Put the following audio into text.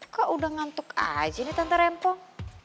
kok udah ngantuk aja nih tante rempong